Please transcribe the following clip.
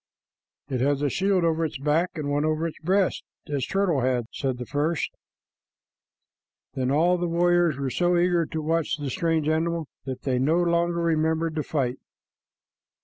"It has a shield over its back and one over its breast, as Turtle had," said the first. Then all the warriors were so eager to watch the strange animal that they no longer remembered the fight.